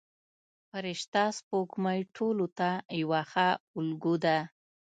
فرشته سپوږمۍ ټولو ته یوه ښه الګو ده.